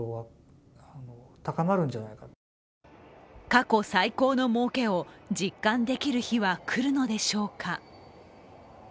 過去最高のもうけを実感できる日は来るのでしょうか。